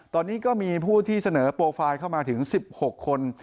ตอนนี้ก็มีผู้ที่เสนอโปรไฟล์เข้ามาถึง๑๖คน